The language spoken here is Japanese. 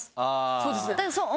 そうですね